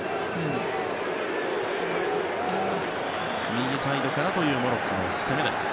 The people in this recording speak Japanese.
右サイドからというモロッコの攻めでした。